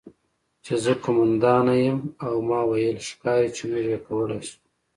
چې زه قوماندانه یم او ما وویل: 'ښکاري چې موږ یې کولی شو'.